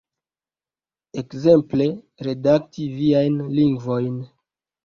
Ekzemple, redakti viajn lingvojn